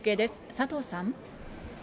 佐藤さん。